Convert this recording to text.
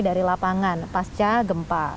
dari lapangan pasca gempa